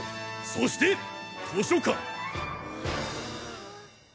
そして図書館！